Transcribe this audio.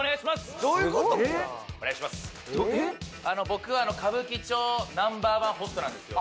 僕歌舞伎町ナンバーワンホストなんですよ。